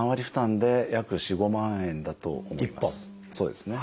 そうですね。